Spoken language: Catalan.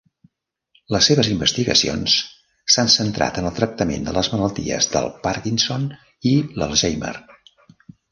Les seves investigacions s'han centrat en el tractament de les malalties del Parkinson i l'Alzheimer.